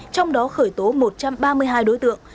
trong đó khởi tố một trăm ba mươi hai đối tượng